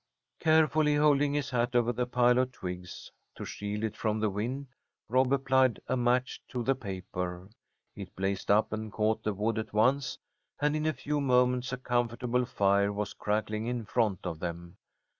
Carefully holding his hat over the pile of twigs to shield it from the wind, Rob applied a match to the paper. It blazed up and caught the wood at once, and in a few moments a comfortable fire was crackling in front of them.